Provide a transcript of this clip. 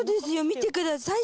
見てください